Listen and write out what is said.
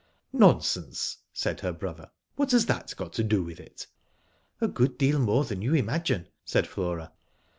" Nonsense," said her brother. " What has that got to do with it?" "A good deal more than you imagine," said Flora.